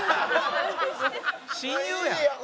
親友やん。